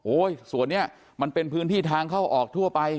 ส่วนนี้มันเป็นพื้นที่ทางเข้าออกทั่วไป